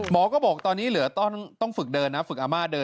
หมอก็บอกตอนนี้เหลือต้องฝึกเดินนะฝึกอาม่าเดิน